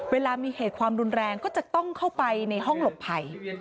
เวลามีเหตุความรุนแรงก็จะต้องเข้าไปในห้องหลบภัย